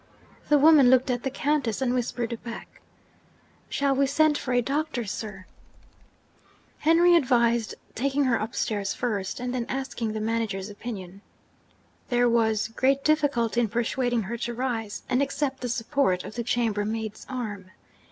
The woman looked at the Countess and whispered back, 'Shall we send for a doctor, sir?' Henry advised taking her upstairs first, and then asking the manager's opinion. There was great difficulty in persuading her to rise, and accept the support of the chambermaid's arm.